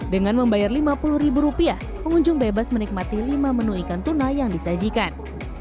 dengan membayar rp lima puluh pengunjung bebas menikmati lima menu ikan tuna yang disajikan